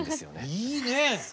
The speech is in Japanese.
いいね。